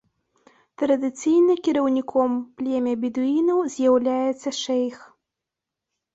Традыцыйна кіраўніком племя бедуінаў з'яўляецца шэйх.